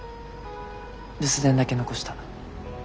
留守電だけ残した。